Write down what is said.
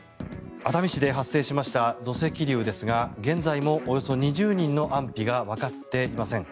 熱海市で発生しました土石流ですが現在もおよそ２０人の安否がわかっていません。